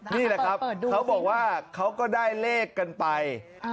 นี่แหละครับเขาบอกว่าเขาก็ได้เลขกันไป